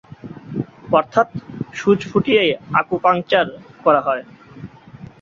অর্থাৎ সুচ ফুটিয়েই আকুপাঙ্কচার করা হয়।